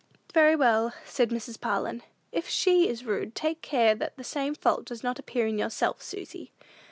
"Very well," said Mrs. Parlin; "if she is rude, take care that the same fault does not appear in yourself, Susy."